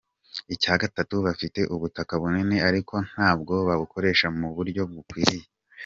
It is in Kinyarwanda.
Icya gatatu bafite ubutaka bunini ariko ntabwo babukoresha mu buryo bukwiriye.